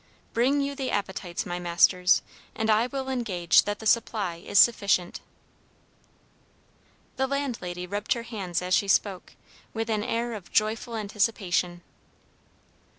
Bring you the appetites, my masters, and I will engage that the supply is sufficient." The landlady rubbed her hands as she spoke, with an air of joyful anticipation.